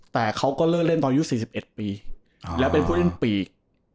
แต่เขาก็เลิกเล่นตอนอายุ๔๑ปีแล้วเป็นผู้เล่นปีก